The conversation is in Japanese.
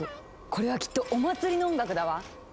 これはきっとお祭りの音楽だわ！